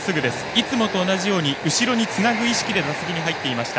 いつもと同じように後ろにつなぐ意識で打席に入っていました。